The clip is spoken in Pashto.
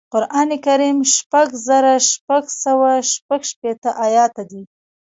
قران کریم شپږ زره شپږ سوه شپږشپېته ایاته دی